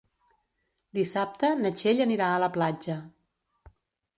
Dissabte na Txell anirà a la platja.